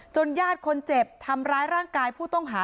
ญาติคนเจ็บทำร้ายร่างกายผู้ต้องหา